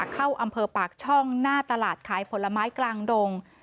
เข้าอำเภอปากช่องหน้าตลาดขายผลไม้กลางดง